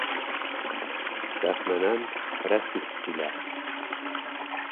Сәхнәнән Рәсих килә.